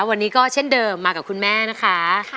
วันนี้ก็เช่นเดิมมากับคุณแม่นะคะ